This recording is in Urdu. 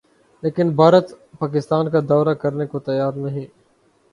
لیکن بھارت پاکستان کا دورہ کرنے کو تیار نہیں